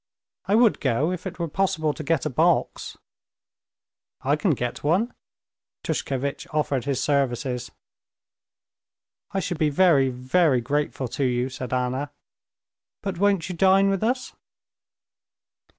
I would go if it were possible to get a box." "I can get one," Tushkevitch offered his services. "I should be very, very grateful to you," said Anna. "But won't you dine with us?"